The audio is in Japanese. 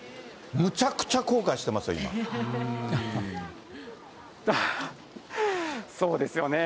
むちゃくちゃ後悔してますよ、そうですよね。